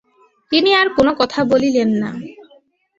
তিনি আর কোনো কথা বলিলেন না।